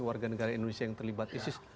warga negara indonesia yang terlibat isis